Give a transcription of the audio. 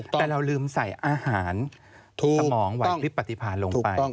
แต่เราลืมใส่อาหารสมองไหวคลิปปฏิพาณลงไป